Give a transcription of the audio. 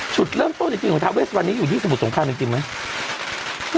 จุดเริ่มต้นจริงของทาเวสวันนี้อยู่ที่สมุทรสงครามจริงไหม